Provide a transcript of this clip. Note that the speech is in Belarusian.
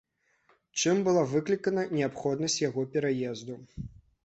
Чым была выклікана неабходнасць яго пераезду?